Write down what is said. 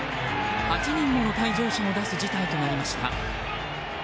８人もの退場者を出す事態となりました。